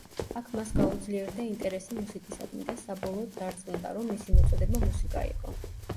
აქ მას გაუძლიერდა ინტერესი მუსიკისადმი და საბოლოოდ დარწმუნდა, რომ მისი მოწოდება მუსიკა იყო.